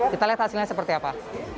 kita lihat hasilnya seperti apa